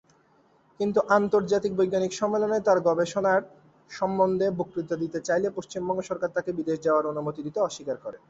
কিন্তু আন্তর্জাতিক বৈজ্ঞানিক সম্মেলনে তার গবেষণার সম্বন্ধে বক্তৃতা দিতে চাইলে পশ্চিমবঙ্গ সরকার তাকে বিদেশ যাওয়ার অনুমতি দিতে অস্বীকার করে।